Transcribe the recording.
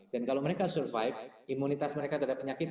dan kalau mereka survive imunitas mereka terhadap penyakit